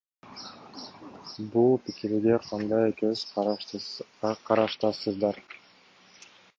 Бул пикирге кандай көз караштасыздар?